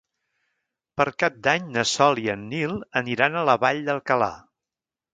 Per Cap d'Any na Sol i en Nil aniran a la Vall d'Alcalà.